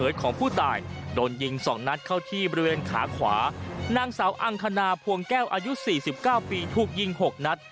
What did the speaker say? นางสาวนัดเข้าที่บริเวณขาขวานางสาวอังคณาพวงแก้วอายุ๔๙ปีถูกยิง๖นัด